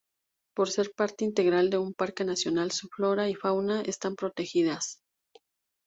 Por ser parte integral de un parque nacional su flora y fauna están protegidas.